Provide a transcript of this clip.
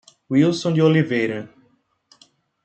Wilson de Oliveira